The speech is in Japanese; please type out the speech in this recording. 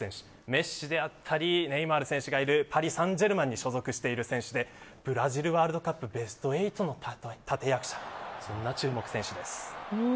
メッシやネイマールがいるパリ・サンジェルマンに所属していてブラジルワールドカップベスト８の立て役者になった選手です。